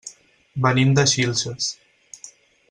Venim de Xilxes.